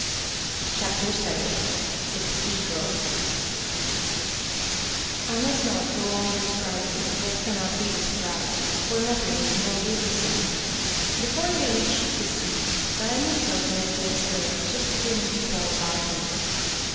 CHAPTER VII. THE CATHEDRAL I MUST not go on describing what cannot be described, for nothing is more wearisome. Before they reached the sea, Diamond felt North Wind's hair just beginning to fall about him.